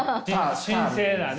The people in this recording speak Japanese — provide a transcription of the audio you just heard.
神聖なね。